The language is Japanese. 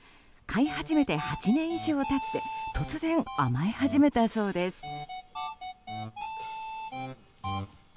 飼い始めて８年以上経って突然、甘え始めたそうです。